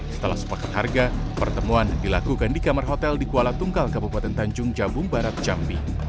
setelah sepakat harga pertemuan dilakukan di kamar hotel di kuala tungkal kabupaten tanjung jabung barat jambi